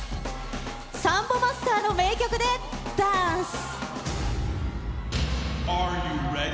サンボマスターの名曲でダンス。